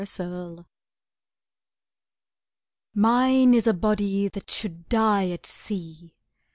BURIAL Mine is a body that should die at sea!